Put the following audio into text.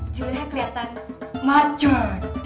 ju leha keliatan macet